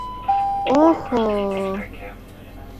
— Оо-хо-о-о!..